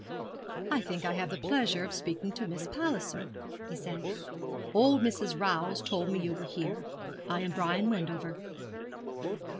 'I think I have the pleasure of speaking to Miss Palliser,' he said. 'Old Mrs. Rowse told me you were here. I am Brian Wendover.'